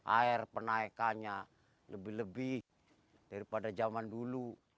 air penaikannya lebih lebih daripada zaman dulu